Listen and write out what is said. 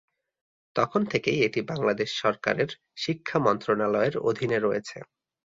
তখন থেকেই এটি বাংলাদেশ সরকারের শিক্ষা মন্ত্রণালয়ের অধীনে রয়েছে।